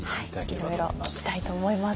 いろいろ聞きたいと思います。